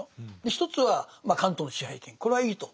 一つは関東の支配権これはいいと。